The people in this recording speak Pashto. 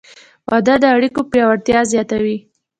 • واده د اړیکو پیاوړتیا زیاتوي.